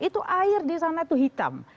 itu air di sana itu hitam